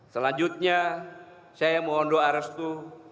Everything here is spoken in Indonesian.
selanjutnya saya mohon doa restu